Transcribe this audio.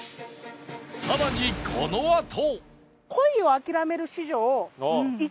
さらにこのあと